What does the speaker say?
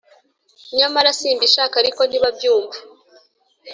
nyamara simbishaka ariko ntibabyumva!